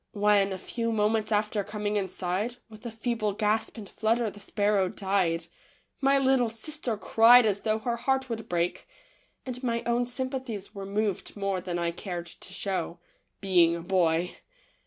When, a few moments after coming inside, with a feeble gasp and flutter the sparrow died, my little sister cried as though her heart would break, and my own sympathies were moved more than I cared to show, being a boy.